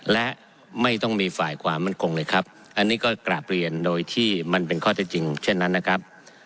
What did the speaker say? และไม่ต้องมีฝ่ายความมั่นคงเลยครับอันนี้ก็กราบเรียนโดยที่มันเป็นข้อเท็จจริงเช่นนั้นนะครับ